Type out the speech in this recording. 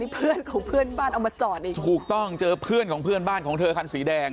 เพื่อนของเพื่อนบ้านเอามาจอดอีกถูกต้องเจอเพื่อนของเพื่อนบ้านของเธอคันสีแดง